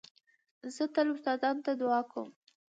زه تل استادانو ته دؤعا کوم.